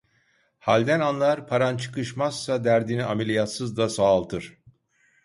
Halden anlar, paran çıkışmazsa derdini ameliyatsız da sağaltır.